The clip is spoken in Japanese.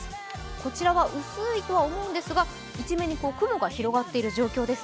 こちらは薄いとは思うんですが、一面に雲が広がっている状況です。